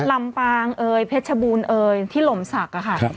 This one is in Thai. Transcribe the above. ลำปางเอ่ยเพชรบูรณเอ่ยที่หล่มศักดิ์ค่ะ